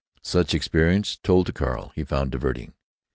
Such experiences, told to Carl, he found diverting.